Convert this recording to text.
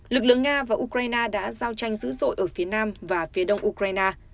lực lượng nga và ukraine đã giao tranh dữ dội ở phía nam và phía đông ukraine